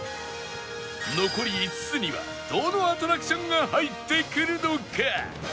残り５つにはどのアトラクションが入ってくるのか？